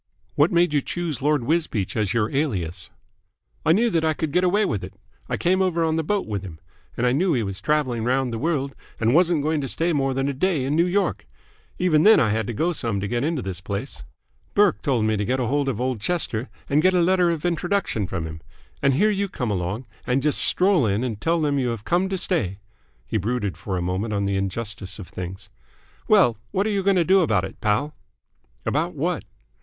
"What made you choose Lord Wisbeach as your alias?" "I knew that I could get away with it. I came over on the boat with him, and I knew he was travelling round the world and wasn't going to stay more than a day in New York. Even then I had to go some to get into this place. Burke told me to get hold of old Chester and get a letter of introduction from him. And here you come along and just stroll in and tell them you have come to stay!" He brooded for a moment on the injustice of things. "Well, what are you going to do about it, Pal?" "About what?"